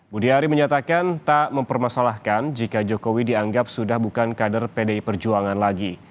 budi ari menyatakan tak mempermasalahkan jika jokowi dianggap sudah bukan kader pdi perjuangan lagi